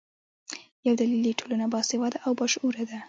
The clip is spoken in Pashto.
یو دلیل یې ټولنه باسواده او باشعوره ده.